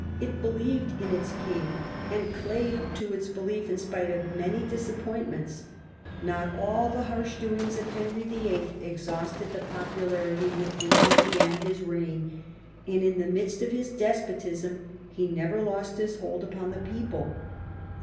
It believed in its king, and clave to its belief in spite of many disappointments. Not all the harsh doings of Henry VIII. exhausted the popu larity with which he began his reign, and in the midst of his despotism he never lost his hold upon the people.